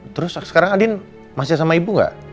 terus sekarang andin masih sama ibu gak